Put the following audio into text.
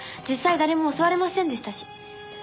実際誰も襲われませんでしたし。